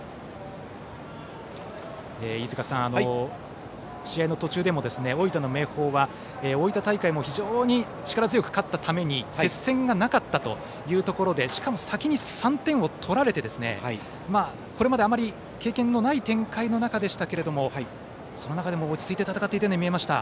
飯塚さん、試合の途中でも大分の明豊は大分大会も非常に力強く勝ったために接戦がなかったというところでしかも先に３点を取られてこれまであまり経験のない展開の中でしたけれどもその中でも落ち着いて戦っていたように見えました。